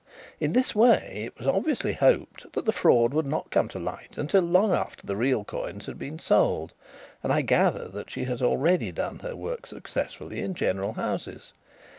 In this way it was obviously hoped that the fraud would not come to light until long after the real coins had been sold, and I gather that she has already done her work successfully in general houses.